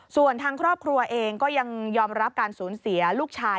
ส่วนทางครอบครัวเองก็ยังยอมรับการสูญเสียลูกชาย